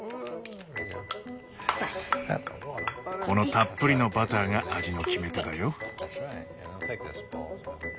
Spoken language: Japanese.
このたっぷりのバターが味の決め手だよ。